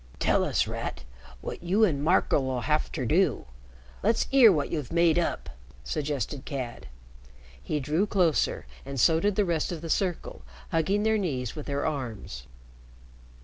"Tell us, Rat, wot you an' Marco'll 'ave ter do. Let's 'ear wot you've made up," suggested Cad. He drew closer, and so did the rest of the circle, hugging their knees with their arms.